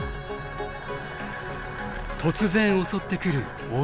突然襲ってくる大地震。